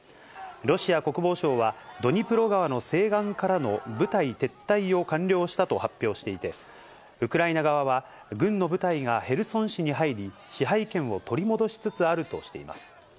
ロシア国防省は、ドニプロ川の西岸からの部隊撤退を完了したと発表していて、ウクライナ側は、軍の部隊がヘルソン市に入り、支配権を取り戻しつつあるとしています。